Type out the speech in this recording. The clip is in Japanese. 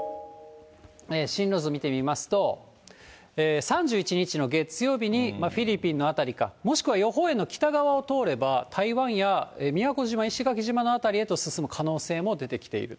進路図見てみますと、３１日の月曜日にフィリピンの辺りか、もしくは予報円の北側を通れば、台湾や宮古島、石垣島の辺りへと進む可能性も出てきている。